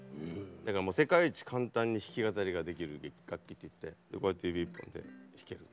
だから世界一簡単に弾き語りができる楽器っていってこうやって指１本で弾ける。